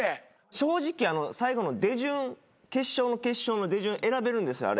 正直最後の出順決勝の決勝の出順選べるんですよあれ。